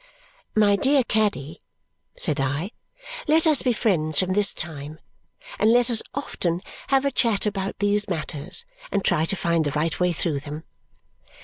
"My dear Caddy," said I, "let us be friends from this time, and let us often have a chat about these matters and try to find the right way through them."